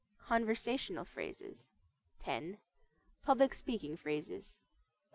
CONVERSATIONAL PHRASES X. PUBLIC SPEAKING PHRASES XI.